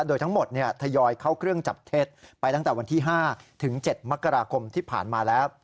โดยทั้งหมดทยอยเข้าเครื่องจับเท็จไปตั้งแต่วันที่๕ถึง๗มกราคมที่ผ่านมาแล้ว